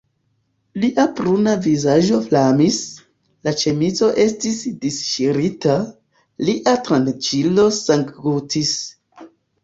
Lia bruna vizaĝo flamis, la ĉemizo estis disŝirita, lia tranĉilo sanggutis.